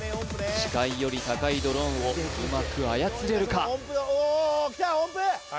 視界より高いドローンをうまく操れるか？